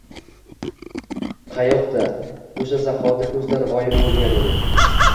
Qayoqda! O‘sha zahoti ko‘zdan g‘oyib bo‘lgan edi.